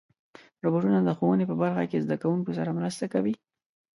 روبوټونه د ښوونې په برخه کې زدهکوونکو سره مرسته کوي.